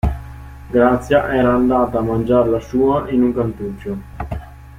Grazia era andata a mangiar la sua in un cantuccio.